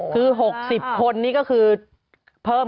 คือ๖๐คนนี่ก็คือเพิ่ม